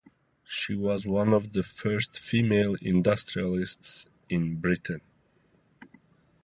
She was one of the first female industrialists in Britain.